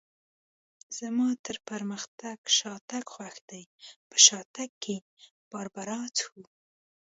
زما تر پرمختګ شاتګ خوښ دی، په شاتګ کې باربرا څښو.